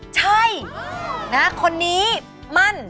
ใช่คนนี้มั่น